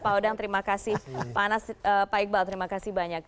pak odang terima kasih pak anas pak iqbal terima kasih banyak